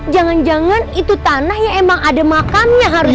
jangan jangan itu tanah yang emang ada makamnya harusnya